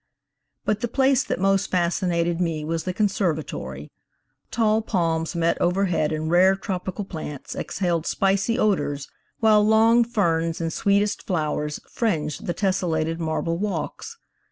But the place that most fascinated me was the conservatory. Tall palms met overhead and rare tropical plants exhaled spicy odors, while long ferns and sweetest flowers fringed the tesselated marble walks.